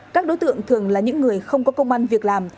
các đối tượng thường là những người không có công an việc làm